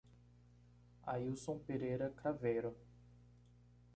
Ailson Pereira Craveiro